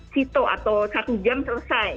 sito atau satu jam selesai